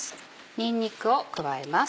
にんにくを加えます。